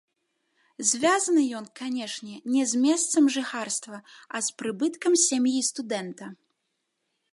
Звязаны ён, канешне, не з месцам жыхарства, а з прыбыткам сям'і студэнта.